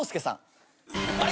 あれ？